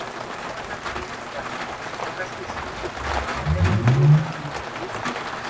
Este no fue el único partido fuera de las ciudades sedes de ambos clubes.